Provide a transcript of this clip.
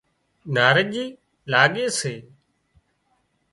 ناريڄي لاڳي سي